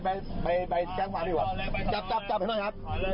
ถอยหลังไว้ถอยหลังไว้จอดเป็นระเบียนเรียบร้อย